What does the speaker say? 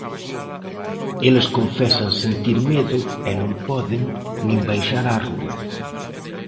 Eles confesan sentir medo e non poden nin baixar á rúa.